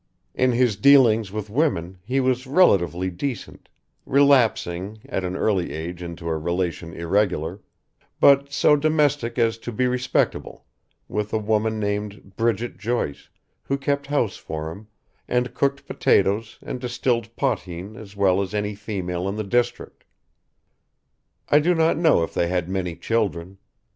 In his dealings with women he was relatively decent, relapsing, at an early age into a relation irregular, but so domestic as to be respectable, with a woman named Brigit Joyce who kept house for him and cooked potatoes and distilled potheen as well as any female in the district. I do not know if they had many children.